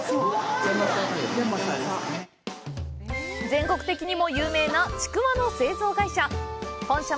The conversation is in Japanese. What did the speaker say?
全国的にも有名な、ちくわの製造会社！